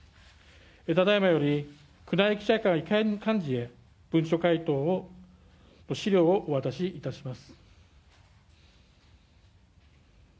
ただ今より、宮内記者会から幹事へ文書回答を資料をお渡しいたします。